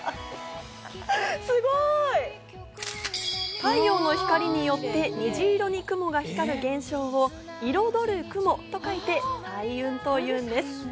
太陽の光によって虹色に雲が光る現象を彩る雲と書いて彩雲といいます。